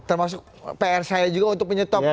termasuk pr saya juga untuk menyetop